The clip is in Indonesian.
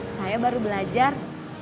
saya baru belajar